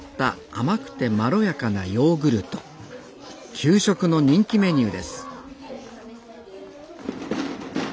給食の人気メニューです